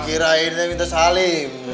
kirainnya minta salim